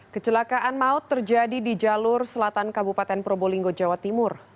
kecelakaan maut terjadi di jalur selatan kabupaten probolinggo jawa timur